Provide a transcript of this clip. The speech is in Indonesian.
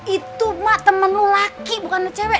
itu mak temen lo laki bukan lo cewek